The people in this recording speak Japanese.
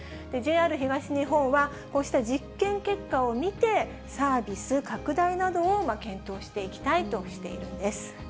ＪＲ東日本は、こうした実験結果を見て、サービス拡大などを検討していきたいとしているんです。